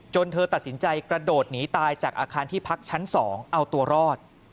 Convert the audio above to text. เธอตัดสินใจกระโดดหนีตายจากอาคารที่พักชั้น๒เอาตัวรอด